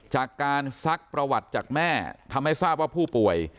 ซักประวัติจากแม่ทำให้ทราบว่าผู้ป่วย